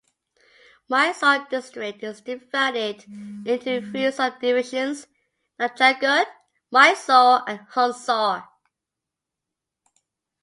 Mysore district is divided into three subdivisions, Nanjangud, Mysore and Hunsur.